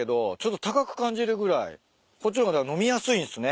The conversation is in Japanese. こっちの方がだから飲みやすいんすね